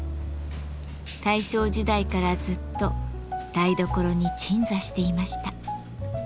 大正時代からずっと台所に鎮座していました。